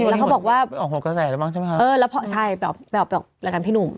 แล้วเขาบอกว่าเออแล้วพอใช่แบบแบบแบบรายการพี่หนุ่ม